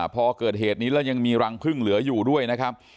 พอเกิดเหตุนี้แล้วยังมีรังพึ่งเหลืออยู่ด้วยนะครับ